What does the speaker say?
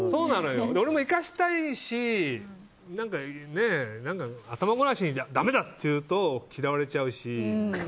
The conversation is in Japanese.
俺も行かせたいし頭ごなしにだめだって言うと嫌われちゃうし。